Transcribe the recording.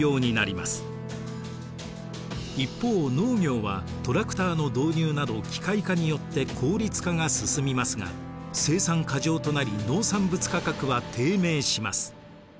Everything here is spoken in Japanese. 一方農業はトラクターの導入など機械化によって効率化が進みますが生産過剰となり農産物価格は低迷します。